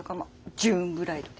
ジューンブライドで。